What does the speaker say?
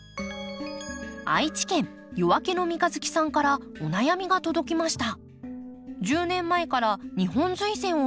愛知県夜明けの三日月さんからお悩みが届きました。